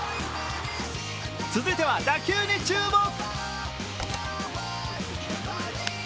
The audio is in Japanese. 続いては打球に注目。